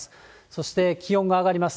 そして気温が上がります。